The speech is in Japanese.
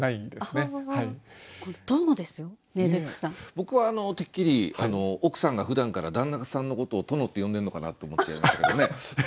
僕はてっきり奥さんがふだんから旦那さんのことを殿って呼んでるのかなと思っちゃいましたけどね。